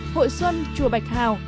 hội xuân chùa bạch hào